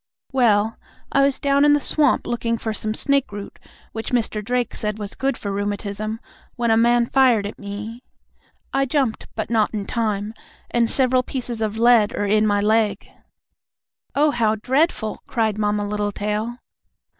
"Well, I was down in the swamp, looking for some snakeroot, which Mr. Drake said was good for rheumatism, when a man fired at me. I jumped, but not in time, and several pieces of lead are in my leg." "Oh, how dreadful!" cried Mamma Littletail.